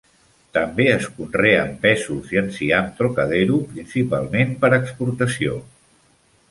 També es conreen pèsols i enciam "trocadero", principalment per a exportació.